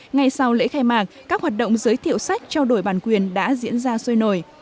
ngay sau lễ khai mạc các hoạt động giới thiệu sách trao đổi bản quyền đã diễn ra sôi nổi